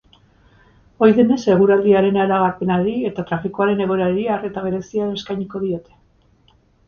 Ohi denez, eguraldiaren iragarpenari eta trafikoaren egoerari arreta berezia eskainiko diote.